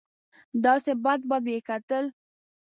داسې بد بد به یې کتل.